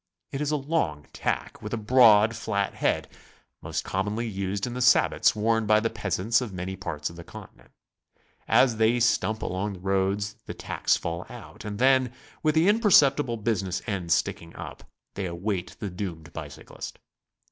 It is a long tack, with a broad, flat head, most commonly used in the sabots worn by the peasants of many parts of the Continent. As they stump along the roads, the tacks fall out, and then, with the imperceptible business end sticking up, they await the doomed bicyclist.